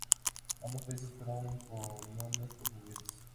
Ambos países fueron colonias portuguesas.